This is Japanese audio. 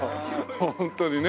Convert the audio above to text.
本当にね。